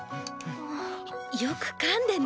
よく噛んでね。